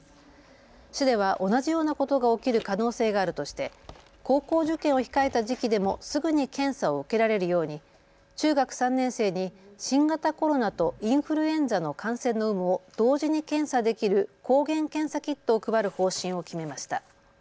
市では同じようなことが起きる可能性があるとして高校受験を控えた時期でもすぐに検査を受けられるように中学３年生に新型コロナとインフルエンザの感染の有無を同時に検査できる抗原検査キットを配る方針を決めました。